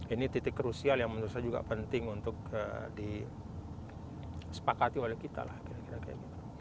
ini titik krusial yang menurut saya juga penting untuk disepakati oleh kita lah kira kira kayak gitu